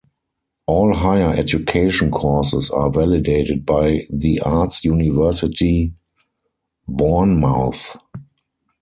All higher education courses are validated by the Arts University Bournemouth.